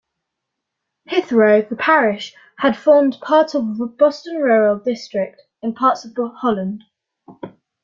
Hitherto, the parish had formed part of Boston Rural District, in Parts of Holland.